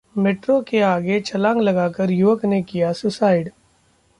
metro के आगे छलांग लगाकर युवक ने किया सुसाइड